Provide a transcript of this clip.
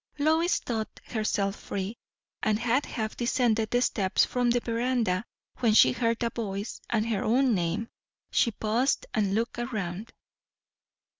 Lois thought herself free, and had half descended the steps from the verandah, when she heard a voice and her own name. She paused and looked round.